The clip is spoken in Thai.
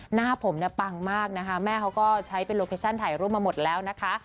หน้าผมเนี่ยปังมากนะคะแม่เขาก็ใช้เป็นโลเคชั่นถ่ายรูปมาหมดแล้วนะคะ